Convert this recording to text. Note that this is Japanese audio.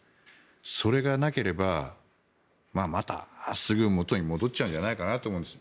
それがなければまた、すぐ元に戻っちゃうんじゃないかなと思うんです。